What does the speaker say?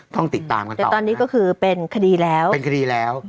ต้องติดตามกันแต่ตอนนี้ก็คือเป็นคดีแล้วเป็นคดีแล้ว